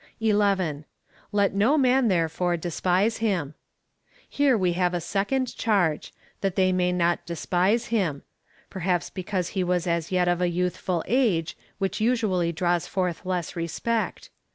11. Let no man, therefore, despise him. Here we have a second charge, that they may not despise him — perhaps be cause he was as yet of a youthful age, w^hich usually draws forth less respect.